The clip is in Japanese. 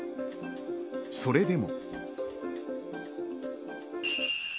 それでも。